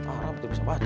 harap dia bisa baca